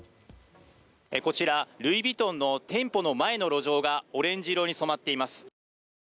こちらルイ・ヴィトンの店舗の前の路上がオレンジ色に染まっています。